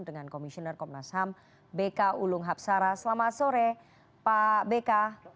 dengan komisioner komnas ham bk ulung hapsara selamat sore pak bk